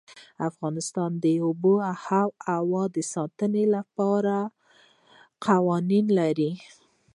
افغانستان د آب وهوا د ساتنې لپاره قوانین لري.